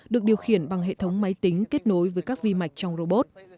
được điều khiển bằng hệ thống máy tính kết nối với các vi mạch trong robot